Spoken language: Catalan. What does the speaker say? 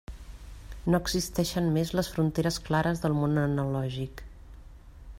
No existeixen més les fronteres clares del món analògic.